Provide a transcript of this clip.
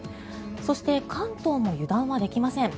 そして、関東も油断はできません。